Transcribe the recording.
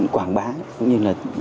quảng bá cũng như là